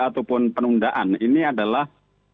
ataupun penundaan ini adalah